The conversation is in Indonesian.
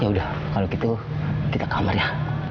ya udah kalau gitu kita kamar ya